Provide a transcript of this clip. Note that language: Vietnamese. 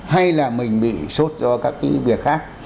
hay là mình bị sốt do các cái việc khác